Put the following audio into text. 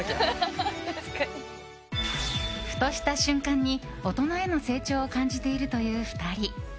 ふとした瞬間に大人への成長を感じているという２人。